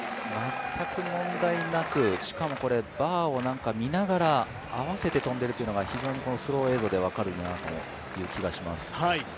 全く問題なく、しかもこれ、バーを見ながら合わせて跳んでいるというのが非常にスロー映像で分かるなという気がします。